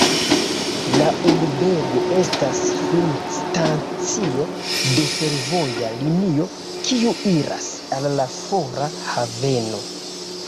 La urbego estas finstacio de fervoja linio, kiu iras al la fora haveno.